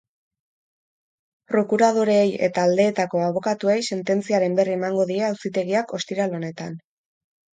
Prokuradoreei eta aldeetako abokatuei sententziaren berri emango die auzitegiak ostiral honetan.